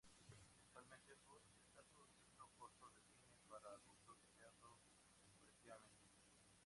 Actualmente, Lust está produciendo cortos de cine para adultos creadas colectivamente.